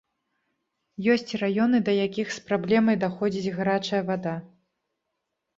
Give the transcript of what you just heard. Ёсць раёны, да якіх з праблемай даходзіць гарачая вада.